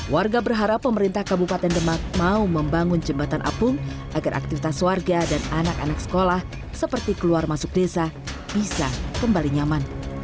warga berharap pemerintah kabupaten demak mau membangun jembatan apung agar aktivitas warga dan anak anak sekolah seperti keluar masuk desa bisa kembali nyaman